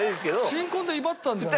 新婚で威張ってたんじゃない？